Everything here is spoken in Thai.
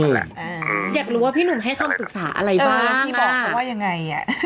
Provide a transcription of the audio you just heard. อยากรู้ว่าพี่หนุ่มให้คำปรึกษาอะไรบ้างที่บอกเขาว่ายังไง